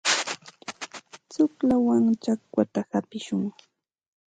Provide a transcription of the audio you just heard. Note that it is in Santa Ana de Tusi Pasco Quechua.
Tuqllawan chakwata hapishun.